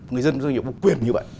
người dân và doanh nghiệp có quyền như vậy